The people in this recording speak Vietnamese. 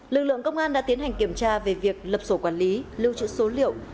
lực lượng công an đã tiến hành kiểm tra về việc lập sổ quản lý lưu trữ số liệu